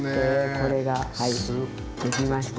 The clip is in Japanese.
これがはいできました。